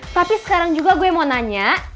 tapi sekarang juga gue mau nanya